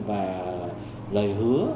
và lời hứa